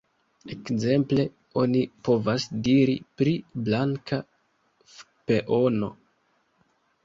Ekzemple, oni povas diri pri "blanka f-peono".